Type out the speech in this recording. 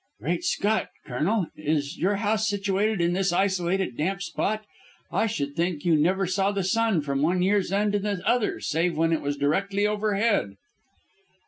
"Great Scott, Colonel, is your house situated in this isolated, damp spot. I should think you never saw the sun from one year's end to the other, save when it was directly overhead."